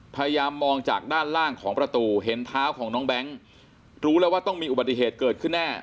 พยายามมองจากด้านล่างของประตูเห็นเท้าของน้องแบงค์รู้แล้วว่าต้องมีอุบัติเหตุเกิดขึ้นแน่